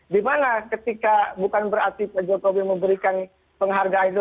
dimana ketika bukan berarti pak jokowi memberikan penghargaan itu